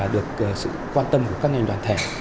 được sự quan tâm của các ngành đoàn thể